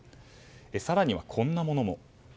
更には、こんなものも。